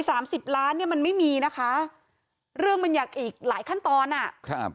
สามสิบล้านเนี้ยมันไม่มีนะคะเรื่องมันอยากอีกหลายขั้นตอนอ่ะครับ